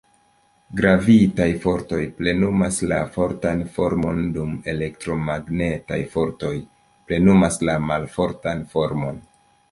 Gravitaj fortoj plenumas la fortan formon dum elektromagnetaj fortoj plenumas la malfortan formon.